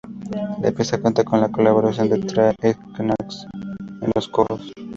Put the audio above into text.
La pieza cuenta con la colaboración de Trā-Knox en los coros.